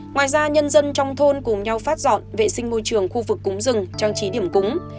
ngoài ra nhân dân trong thôn cùng nhau phát dọn vệ sinh môi trường khu vực cúng rừng trang trí điểm cúng